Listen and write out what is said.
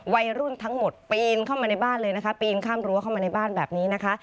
วัยรุ่นทั้งหมดปีนเข้ามาในบ้านเลยนะคะปีนข้ามรั้วเข้ามาในบ้านแบบนี้นะคะ